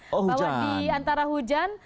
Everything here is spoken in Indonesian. bahwa di antara hujan